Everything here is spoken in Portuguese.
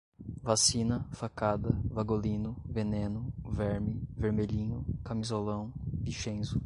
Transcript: vacina, facada, vagolino, veneno, verme, vermelhinho, camisolão, vichenzo